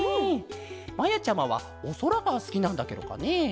まやちゃまはおそらがすきなんだケロかね？